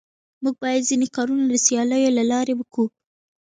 موږ بايد ځيني کارونه د سياليو له لاري وکو.